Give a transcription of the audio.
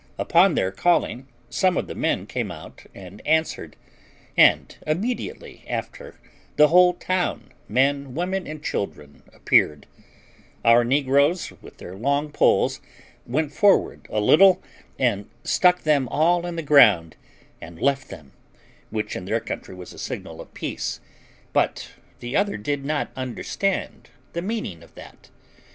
Upon their calling, some of the men came out and answered, and immediately after the whole town, men, women, and children, appeared; our negroes, with their long poles, went forward a little, and stuck them all in the ground, and left them, which in their country was a signal of peace, but the other did not understand the meaning of that.